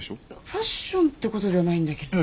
ファッションってことではないんだけど。